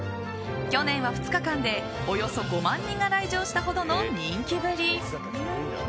去年は２日間でおよそ５万人が来場したほどの人気ぶり。